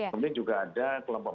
kemudian juga ada kelompok